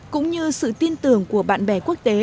cũng như sự tin tưởng của bạn bè quốc tế